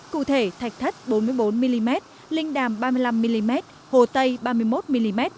cụ thể thạch thất bốn mươi bốn mm linh đàm ba mươi năm mm hồ tây ba mươi một mm